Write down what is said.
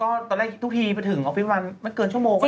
ก็ตอนแรกทุกทีไปถึงออฟฟิศวันไม่เกินชั่วโมง